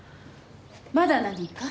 まだ何か？